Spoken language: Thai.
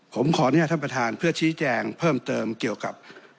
ผมขออนุญาตท่านประธานเพื่อชี้แจงเพิ่มเติมเกี่ยวกับ